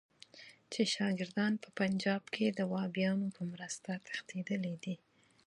چې شاګردان په پنجاب کې د وهابیانو په مرسته تښتېدلي دي.